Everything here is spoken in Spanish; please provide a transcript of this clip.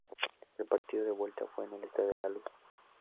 El partido de vuelta fue en el Estádio da Luz.